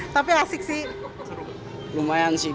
tapi asik sih